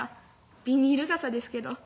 ビニール傘ですけど」。